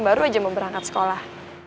baru aja mau berangkat sekolah